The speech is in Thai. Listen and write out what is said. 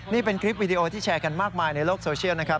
นี่เป็นคลิปวิดีโอที่แชร์กันมากมายในโลกโซเชียลนะครับ